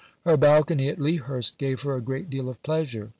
Her balcony at Lea Hurst gave her a great deal of pleasure.